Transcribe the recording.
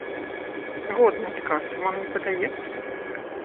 Годны адказ, вам не падаецца?